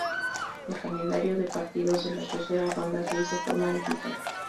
El calendario de partidos de la tercera ronda se hizo en forma digital.